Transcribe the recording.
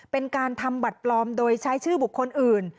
เป็นการทำบัตรปลอมโดยใช้ชื่อบุคคลอื่น